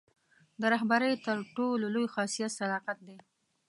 د رهبرۍ تر ټولو لوی خاصیت صداقت دی.